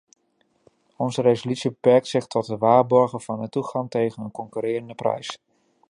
Onze resolutie beperkt zich tot het waarborgen van een toegang tegen een concurrerende prijs.